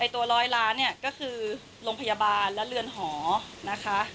ตัวร้อยล้านเนี่ยก็คือโรงพยาบาลและเรือนหอนะคะ